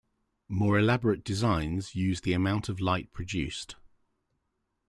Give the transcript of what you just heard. More elaborate designs use the amount of light produced.